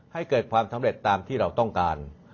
ให้เกิดความสำเร็จตามที่เราต้องการ